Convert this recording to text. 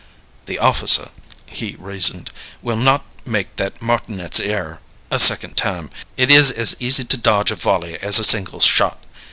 "The officer," he reasoned, "will not make that martinet's error a second time. It is as easy to dodge a volley as a single shot.